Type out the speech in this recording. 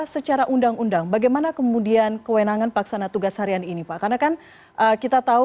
secara undang undang bagaimana kemudian kewenangan pelaksana tugas harian ini pak karena kan kita tahu